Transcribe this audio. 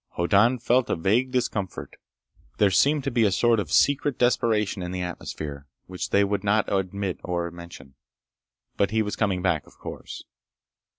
Hoddan felt a vague discomfort. There seemed to be a sort of secret desperation in the atmosphere, which they would not admit or mention. But he was coming back. Of course.